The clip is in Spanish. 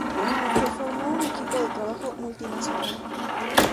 Se formó un equipo de trabajo multinacional.